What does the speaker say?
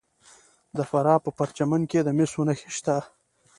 د فراه په پرچمن کې د مسو نښې شته.